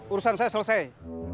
urusan saya selesai